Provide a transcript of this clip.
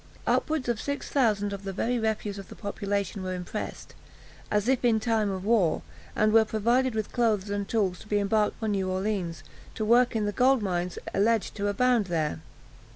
Upwards of six thousand of the very refuse of the population were impressed, as if in time of war, and were provided with clothes and tools to be embarked for New Orleans, to work in the gold mines alleged to abound there.